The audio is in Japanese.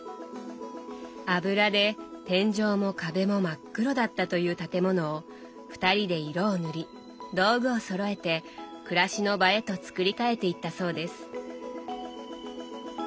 油で天井も壁も真っ黒だったという建物を二人で色を塗り道具をそろえて暮らしの場へと作り替えていったそうです。